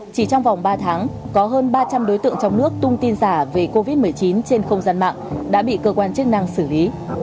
chỉ trong vòng ba tháng có hơn ba trăm linh đối tượng trong nước tung tin giả về covid một mươi chín trên không gian mạng đã bị cơ quan chức năng xử lý